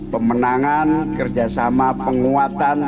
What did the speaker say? pemenangan kerjasama penguatan